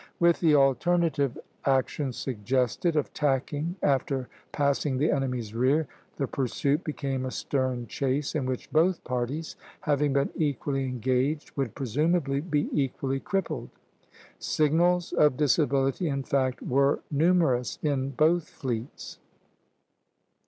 With the alternative action suggested, of tacking after passing the enemy's rear, the pursuit became a stern chase, in which both parties having been equally engaged would presumably be equally crippled. Signals of disability, in fact, were numerous in both fleets.